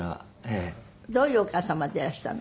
どういうお母様でいらしたの？